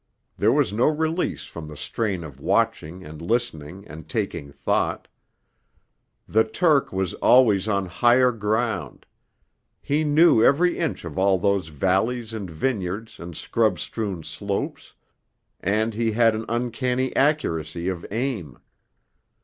There was no release from the strain of watching and listening and taking thought. The Turk was always on higher ground; he knew every inch of all those valleys and vineyards and scrub strewn slopes; and he had an uncanny accuracy of aim.